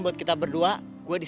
jangan merugikan gw